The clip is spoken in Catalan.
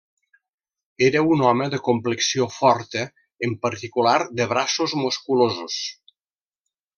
Era un home de complexió forta en particular de braços musculosos.